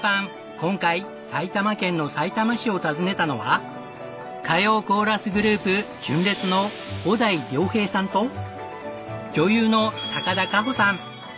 今回埼玉県のさいたま市を訪ねたのは歌謡コーラスグループ純烈の小田井涼平さんと女優の高田夏帆さん。